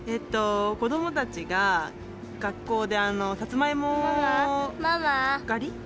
子どもたちが学校でさつまいも刈り？